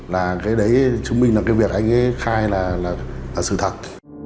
là cái đấy chứng minh là cái việc anh ấy khai là sự thật